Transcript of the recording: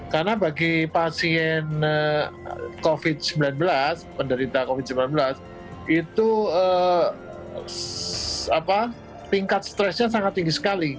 karena bagi pasien covid sembilan belas penderita covid sembilan belas itu tingkat stresnya sangat tinggi sekali